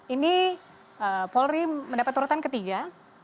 ini polri mendapat urutan ketiga